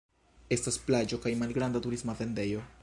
Estas plaĝo kaj malgranda turisma vendejo.